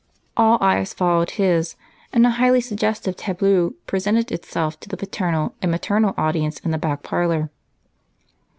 All eyes followed his, and a highly suggestive tableau presented itself to the paternal and maternal audience in the back parlor.